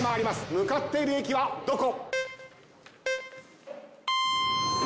向かっている駅はどこ？